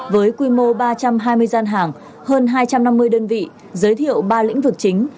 với quy mô ba trăm hai mươi gian hàng hơn hai trăm năm mươi đơn vị giới thiệu ba lĩnh vực chính